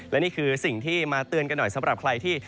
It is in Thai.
และนี่คือสิ่งที่มาเตือนกันหน่อยสำหรับใครที่